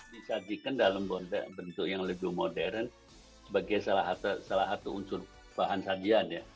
disajikan dalam bentuk yang lebih modern sebagai salah satu unsur bahan sajian ya